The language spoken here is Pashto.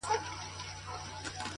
زما اوښکي ايساري سولې.